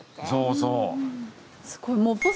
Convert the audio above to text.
そうそう。